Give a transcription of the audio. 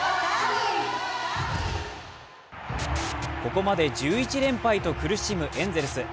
ここまで１１連敗と苦しむエンゼルス。